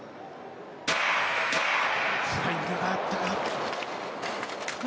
フライングがあったか。